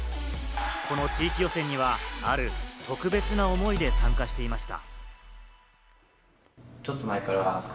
この地域予選には、ある特別な思いで参加していました。